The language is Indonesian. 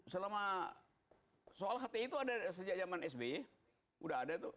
selama soal hti itu ada sejak zaman sby udah ada tuh